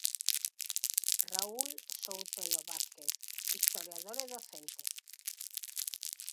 Raúl Soutelo Vázquez, historiador e docente.